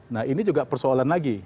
nah ini juga persoalan lagi